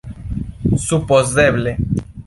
supozeble